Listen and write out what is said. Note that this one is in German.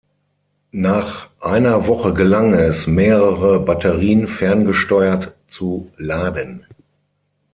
Nach einer Woche gelang es, mehrere Batterien ferngesteuert zu laden.